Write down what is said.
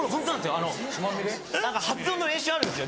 あの何か発音の練習あるんですよ